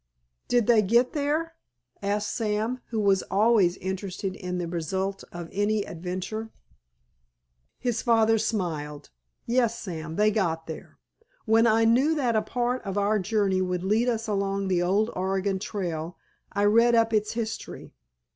"Did they get there?" asked Sam, who was always interested in the result of any adventure. His father smiled. "Yes, Sam, they got there. When I knew that a part of our journey would lead us along the old Oregon Trail I read up its history.